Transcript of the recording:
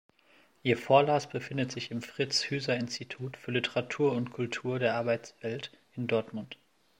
Ihr Vorlass befindet sich im Fritz-Hüser-Institut für Literatur und Kultur der Arbeitswelt in Dortmund.